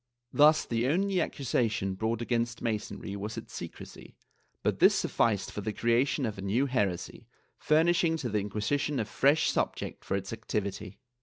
Thus the only accusation brought against Masonry w^as its secrecy, but this sufficed for the creation of a new heresy, furnishing to the Inquisition a fresh subject for its activity.